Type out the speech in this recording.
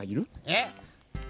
えっ？